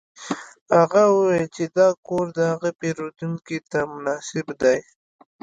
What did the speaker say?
هغه وویل چې دا کور د هغه پیرودونکي ته مناسب دی